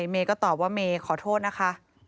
เมย์ก็ตอบว่าเมย์ขอโทษนะคะ